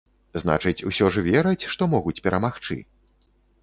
Значыць, усё ж вераць, што могуць перамагчы?